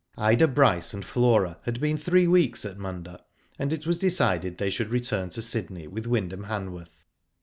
Ida Bryce and Flora had been three weeks at Munda, and it was decided they should return to Sydney with Wyndham Hanworth.